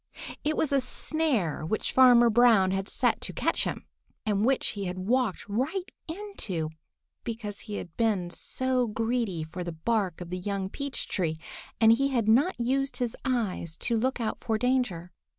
It was a snare which Farmer Brown had set to catch him, and which he had walked right into because he had been so greedy for the bark of the young peach tree that he had not used his eyes to look out for danger.